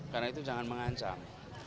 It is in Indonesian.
karena itu jangan mengancam